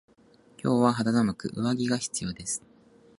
今日は肌寒く上着が必要です。